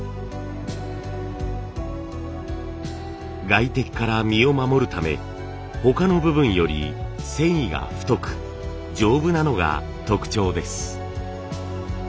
外敵から身を守るため他の部分より繊維が太く丈夫なのが特徴です。